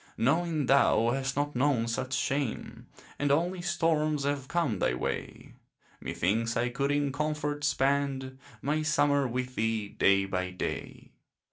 Knowing thou hast not known such shame, And only storms have come thy way, Methinks I could in comfort spend My summer with thee, day by day.